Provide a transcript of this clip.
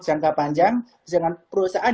jangka panjang dengan perusahaan